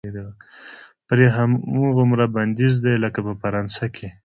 پرې هماغومره بندیز دی لکه په فرانسه کې.